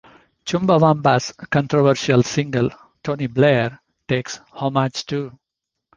Chumbawamba's controversial single "Tony Blair" takes homage too.